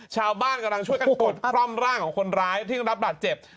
ชาวบ้านกำลังช่วยกันกดปล่อมร่างของคนร้ายที่รับบาดเจ็บ